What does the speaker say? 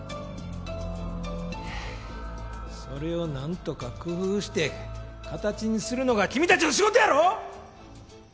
ふぅそれをなんとか工夫して形にするのが君たちの仕事やろ！